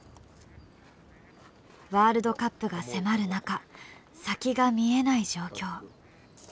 ワールドカップが迫る中先が見えない状況。